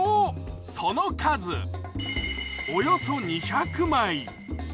その数、およそ２００枚。